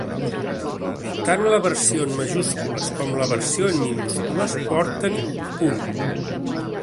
Tant la versió en majúscules com la versió en minúscules porten punt.